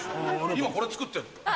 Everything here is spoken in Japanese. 今これ造ってんの。